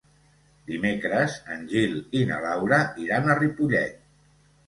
Dimecres en Gil i na Laura iran a Ripollet.